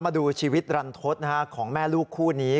มาดูชีวิตรันทศของแม่ลูกคู่นี้